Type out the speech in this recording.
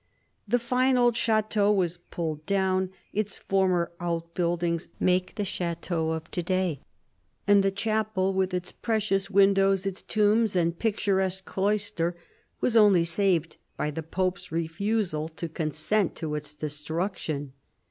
The fine old chateau was pulled down ; its former outbuildings make the chateau of to day ; and the chapel, with its precious 234 THE CARDINAL 235 windows, its tombs and picturesque cloister, was only saved by the Pope's refusal to consent to its destruction.